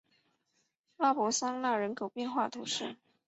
拉博桑讷人口变化图示